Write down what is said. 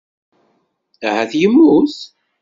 Ahat immut.